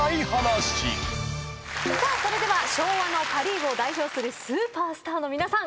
さあそれでは昭和のパ・リーグを代表するスーパースターの皆さん